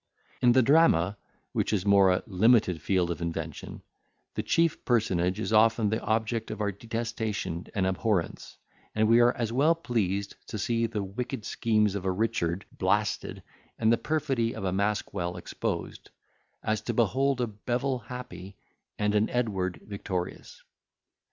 In the drama, which is a more limited field of invention, the chief personage is often the object of our detestation and abhorrence; and we are as well pleased to see the wicked schemes of a Richard blasted, and the perfidy of a Maskwell exposed, as to behold a Bevil happy, and an Edward victorious.